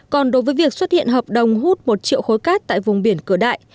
còn đối với việc xuất hiện hợp đồng hút một triệu khối cát tại vùng biển cửa đại